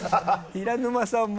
平沼さんも？